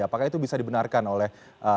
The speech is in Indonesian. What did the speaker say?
apakah itu bisa dibenarkan oleh